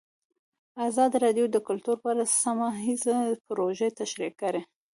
ازادي راډیو د کلتور په اړه سیمه ییزې پروژې تشریح کړې.